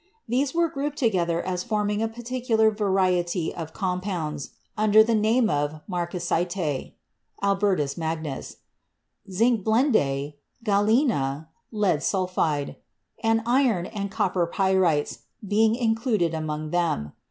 These were grouped together as forming a particular variety of compounds, under the name of "marcasitae" (Albertus Magnus), zinc blende, galena (lead sulphide), and iron and copper pyrites being included among them.